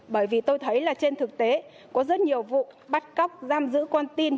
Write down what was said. bởi vì tôi thấy là trên thực tế có rất nhiều vụ bắt cóc giam giữ con tin